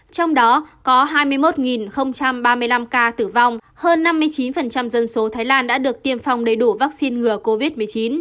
trong đó có hai mươi một ba mươi năm ca tử vong hơn năm mươi chín dân số thái lan đã được tiêm phòng đầy đủ vaccine ngừa covid một mươi chín